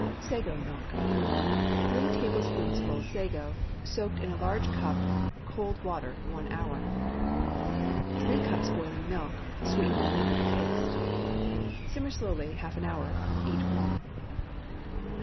SAGO MILK. ✠ 3 tablespoonfuls sago, soaked in a large cup cold water one hour. 3 cups boiling milk. Sweeten and flavor to taste. Simmer slowly half an hour. Eat warm.